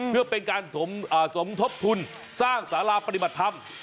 เพื่อเป็นการสมทบทุนสร้างสาราปฏิบัติธรรม